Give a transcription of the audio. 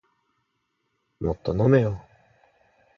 もっと飲めよ